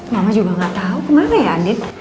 mama juga gak tau kemana ya andin